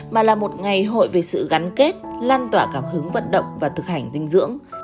mà là một ngày hội về sự gắn kết lan tỏa cảm hứng vận động và thực hành dinh dưỡng